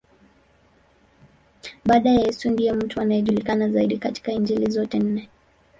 Baada ya Yesu, ndiye mtu anayejulikana zaidi katika Injili zote nne.